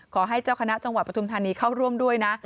ขอให้เจ้าคณะจังหวัดปฐุมธานีเข้าร่วมด้วยนะ